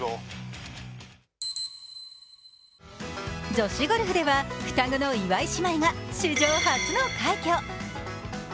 女子ゴルフでは双子の岩井姉妹が史上初の快挙。